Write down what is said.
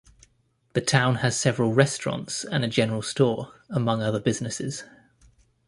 The town has several restaurants and a general store, among other businesses.